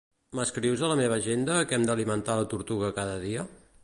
M'escrius a la meva agenda que hem d'alimentar la tortuga cada dia?